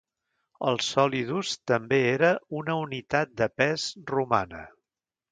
El "solidus" també era una unitat de pes romana.